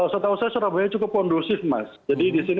setahu saya surabaya cukup kondusif mas